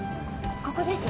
ここです。